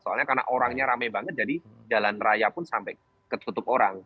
soalnya karena orangnya rame banget jadi jalan raya pun sampai ketutup orang